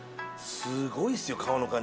すごいですよ皮の感じ。